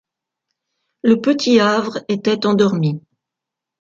Le petit havre était endormi.